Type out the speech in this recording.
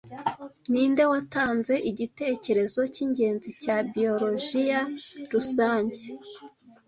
Ninde watanze igitekerezo cyingenzi cya biologiya rusange